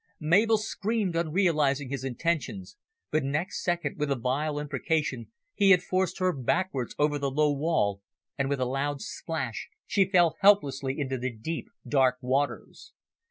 Mabel screamed on realising his intentions, but next second with a vile imprecation he had forced her backwards over the low wall, and with a loud splash she fell helplessly into the deep, dark waters.